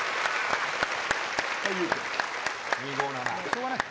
しょうがない。